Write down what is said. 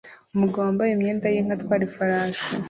Umugabo wambaye imyenda yinka atwara ifarashi